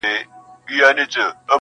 بيا کرار ،کرار د بت و خواته گوري